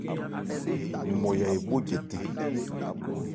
Nmɔya èbhó jɛtɛn.